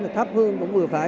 thắp hương cũng vừa phải